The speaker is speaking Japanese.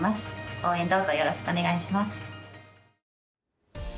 応援どうぞよろしくお願いします。